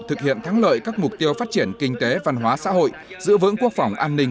thực hiện thắng lợi các mục tiêu phát triển kinh tế văn hóa xã hội giữ vững quốc phòng an ninh